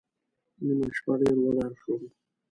نیمه شپه ډېر وډار شوم.